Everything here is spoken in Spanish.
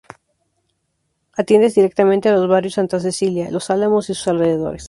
Atiende directamente a los barrios Santa Cecilia, Los Álamos y sus alrededores.